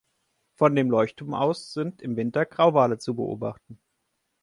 Von dem Leuchtturm aus sind im Winter Grauwale zu beobachten.